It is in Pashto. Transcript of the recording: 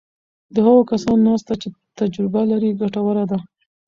د هغو کسانو ناسته چې تجربه لري ګټوره ده.